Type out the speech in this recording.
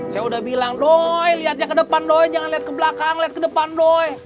saya udah bilang dong lihatnya ke depan dongeng jangan lihat ke belakang lihat ke depan dong